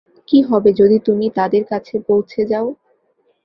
কী হবে যদি তুমি তাদের কাছে পৌঁছে যাও?